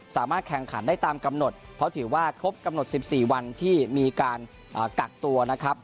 สามารถแข่งขันได้ตามกำหนดเพราะถือว่าครบกำหนด๑๔วันที่มีการกักตัวนะครับ